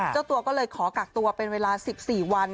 เจ้าตัวก็เลยขอกักตัวเป็นเวลา๑๔วัน